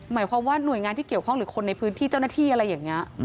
หมายความว่าหน่วยงานที่เกี่ยวข้องหรือคนในพื้นที่เจ้าหน้าที่อะไรอย่างนี้